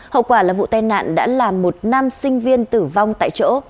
hậu quả là vụ tai nạn đã làm một nam sinh viên tử vong tại chỗ